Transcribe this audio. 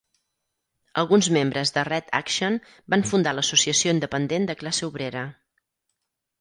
Alguns membres de Red Action van fundar l'Associació Independent de Classe Obrera.